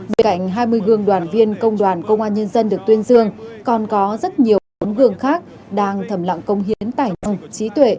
bên cạnh hai mươi gương đoàn viên công đoàn công an nhân dân được tuyên dương còn có rất nhiều tấm gương khác đang thầm lặng công hiến tài năng trí tuệ